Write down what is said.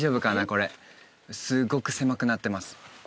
これすっごく狭くなってます